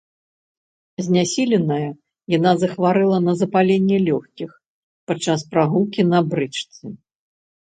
Знясіленая, яна захварэла на запаленне лёгкіх падчас прагулкі на брычцы.